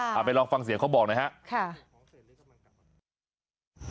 ค่ะเอาไปลองฟังเสียเขาบอกหน่อยฮะค่ะ